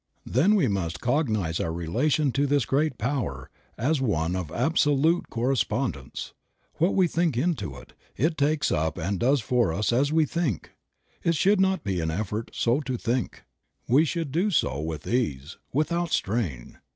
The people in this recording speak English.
Then we must cognize our relation to this great power as one of absolute correspondence; what we think into it, it takes up and does for us as we think It should not be an effort so to think; we should do so with ease, without strain.